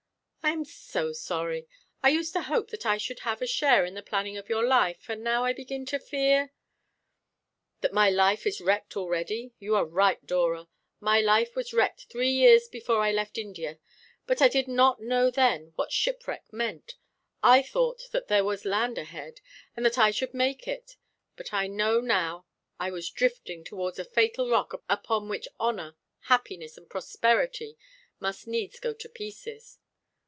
"I am so sorry. I used to hope that I should have a share in the planning of your life; and now I begin to fear " "That my life is wrecked already. You are right, Dora. My life was wrecked three years before I left India, but I did not know then what shipwreck meant. I thought that there was land ahead, and that I should make it; but I know now I was drifting towards a fatal rock upon which honour, happiness, and prosperity must needs go to pieces."